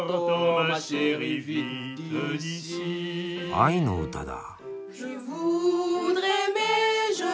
愛の歌だ。